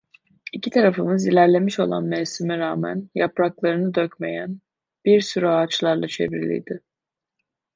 İki tarafımız ilerlemiş olan mevsime rağmen yapraklarını dökmeyen bir sürü ağaçlarla çevriliydi.